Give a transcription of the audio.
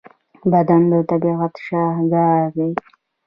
بدن د طبیعت شاهکار دی.